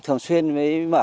thường xuyên mới mở